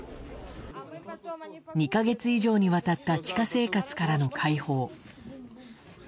２か月以上にわたった地下生活からの解放。